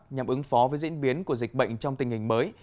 nhằm ứng phó với diễn biến của dịch bệnh trong tình hình mới